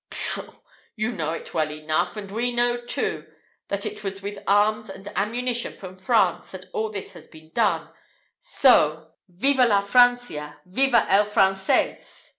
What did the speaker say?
Pshaw! you know it well enough; and we know too, that it is with arms and ammunition from France, that all this has been done: so, '_Viva la Francia! Viva el Francés!